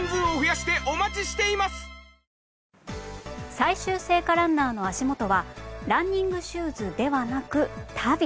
最終聖火ランナーの足元はランニングシューズではなく足袋。